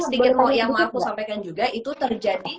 sedikit kok yang mau aku sampaikan juga itu terjadi